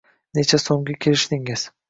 Necha so`mga kelishdingiz